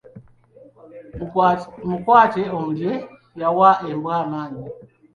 Mukwate omulye, y’awa embwa amaanyi.